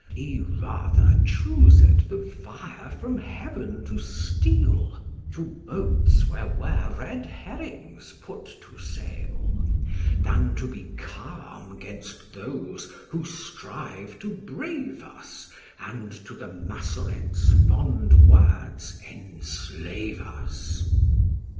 He rather choosed the fire from heaven to steal, To boats where were red herrings put to sale; Than to be calm 'gainst those, who strive to brave us, And to the Massorets' fond words enslave us.